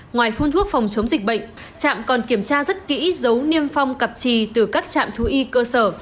ngoài phun thuốc phòng chống dịch bệnh trạm còn kiểm tra rất kỹ dấu niêm phong cặp trì từ các trạm thú y cơ sở